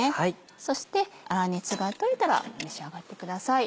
そして粗熱が取れたら召し上がってください。